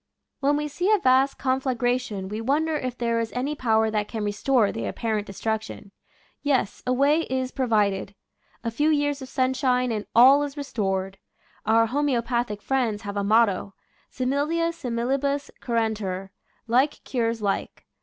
When we see a vast conflagration we won der if there is any power that can restore the apparent destruction. Yes, a way is provided ; a few years of sunshine and all is restored. Our homeopathic friends have a motto, " Similia similibus curantur "—" Like cures like."